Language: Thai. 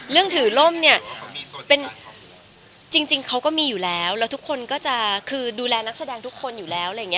เรื่องถือร่มเนี่ยจริงเขาก็มีอยู่แล้วแล้วทุกคนก็จะคือดูแลนักแสดงทุกคนอยู่แล้ว